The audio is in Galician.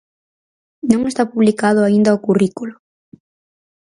Non está publicado aínda o currículo.